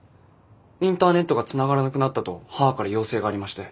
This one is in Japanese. インターネットがつながらなくなったと母から要請がありまして。